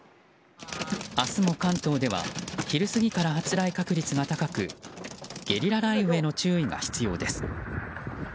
明日も関東では昼過ぎから発雷確率が高くゲリラ雷雨への注意が必要です。